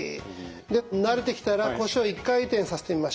慣れてきたら腰を１回転させてみましょう。